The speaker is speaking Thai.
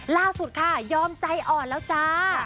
ล่าสุดค่ะยอมใจอ่อนแล้วจ้า